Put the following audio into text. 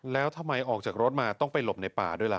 แล้วทำไมออกจากรถมาต้องไปหลบในป่าด้วยล่ะ